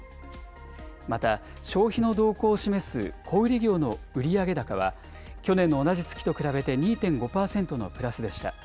また、消費の動向を示す小売り業の売上高は、去年の同じ月と比べて２．５％のプラスでした。